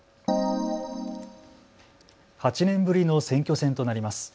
８年ぶりの選挙戦となります。